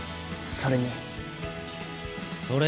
それに？